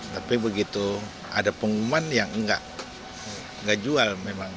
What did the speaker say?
tapi begitu ada pengumuman yang enggak jual